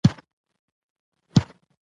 بېتوجهي وېښتيان خرابوي.